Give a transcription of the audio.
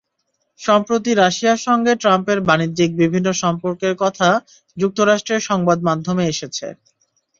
সম্প্রতি রাশিয়ার সঙ্গে ট্রাম্পের বাণিজ্যিক বিভিন্ন সম্পর্কের কথা যুক্তরাষ্ট্রের সংবাদমাধ্যমে এসেছে।